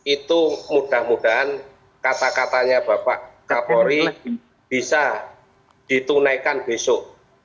itu mudah mudahan kata katanya bapak kapolri bisa ditunaikan besok